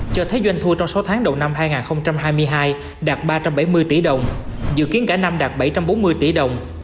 cho thấy doanh thu trong sáu tháng đầu năm hai nghìn hai mươi hai đạt ba trăm bảy mươi tỷ đồng dự kiến cả năm đạt bảy trăm bốn mươi tỷ đồng